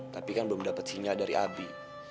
tapi kan belum dapat sinyal dari abi